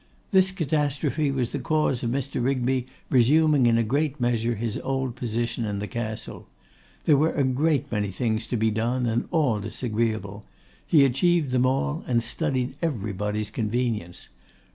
This catastrophe was the cause of Mr. Rigby resuming in a great measure his old position in the Castle. There were a great many things to be done, and all disagreeable; he achieved them all, and studied everybody's convenience.